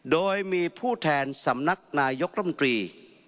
โดยมีผู้แทนสำนักนายกรมตรี